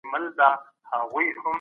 زه د حروفو تمرین کوم.